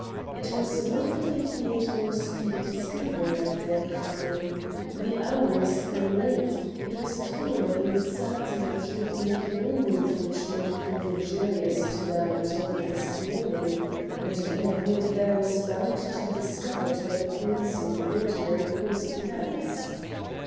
It was not that they feared more speedy discovery of their crime. The hour was then late; it was tolerably certain that he would make no move which might prove injurious to them until next morning, and then the whole affair was bound to be discovered by the police in the ordinary course of events."